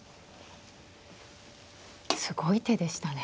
すごい手でしたね。